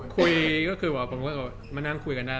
ก็คงยังไงมันก็คงต้องคุยอะครับ